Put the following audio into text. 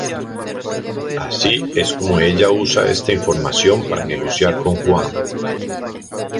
Así es como ella usa esta información para negociar con Huang.